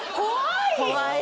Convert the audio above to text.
怖い！